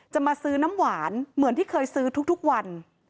จะมาซื้อน้ำหวานเหมือนที่เคยซื้อทุกวัน